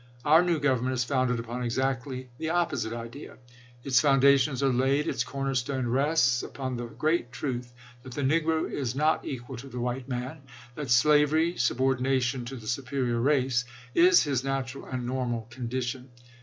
.. Our new government is founded upon chap, xiii exactly the opposite idea; its foundations are laid, its corner stone rests upon the great truth, that the negro is not equal to the white man; that slavery — subordination to the superior race — is his natural and normal condition.